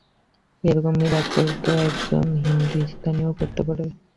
এরকম মিরাক্কেল তো একজন হিন্দুস্তানীই করতে পারে!